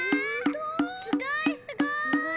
すごいすごい！